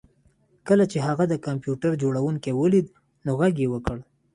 کله چې هغه د کمپیوټر جوړونکی ولید نو غږ یې وکړ